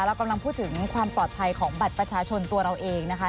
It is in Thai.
เรากำลังพูดถึงความปลอดภัยของบัตรประชาชนตัวเราเองนะคะ